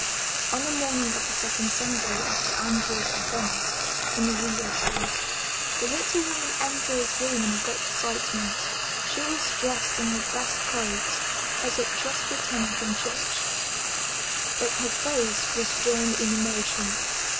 On the morning of the second Sunday after Andrea's advent in the widow's house, the little woman entered his room in great excitement. She was dressed in her best 56 Paid Heyse clothes, as if just returning from church, but her face was drawn in emotion.